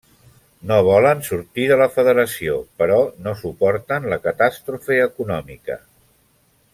No volen sortir de la federació, però no suporten la catàstrofe econòmica.